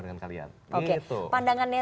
dengan kalian oke pandangannya